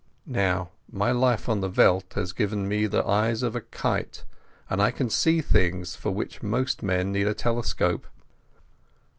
Now my life on the veld has given me the eyes of a kite, and I can see things for which most men need a telescope....